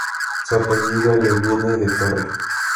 Su apellido le viene de "torre".